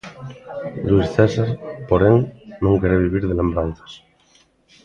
Luís César, porén, non quere vivir de lembranzas.